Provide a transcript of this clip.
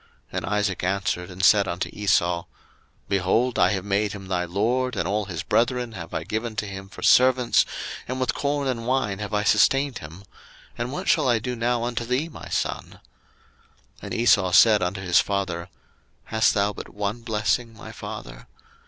01:027:037 And Isaac answered and said unto Esau, Behold, I have made him thy lord, and all his brethren have I given to him for servants; and with corn and wine have I sustained him: and what shall I do now unto thee, my son? 01:027:038 And Esau said unto his father, Hast thou but one blessing, my father?